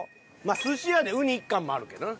寿司屋でウニ１貫もあるけどな。